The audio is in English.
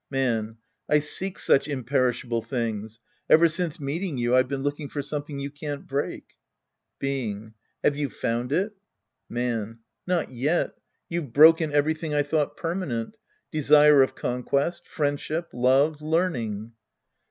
Man. I seek such imperishable things. Ever since meeting you, I've been looking for something you can't break. Being. Have you' found it ? Man. Not yet. You've broken everything I thought permanent. Desire of conquest, friendship, love, learning.